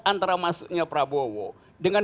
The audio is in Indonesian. antara masuknya prabowo dengan